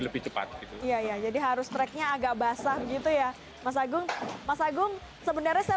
lebih cepat iya ya jadi harus tracknya agak basah begitu ya mas agung mas agung sebenarnya saya